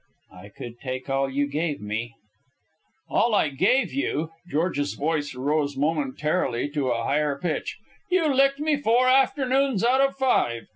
"I could take all you gave me." "All I gave you!" George's voice rose momentarily to a higher pitch. "You licked me four afternoons out of five.